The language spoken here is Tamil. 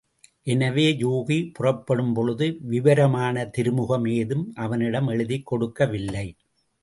எனவே, யூகி புறப்படும்பொழுது விவரமான திருமுகம் ஏதும் அவனிடம் எழுதிக் கொடுக்கவில்லை.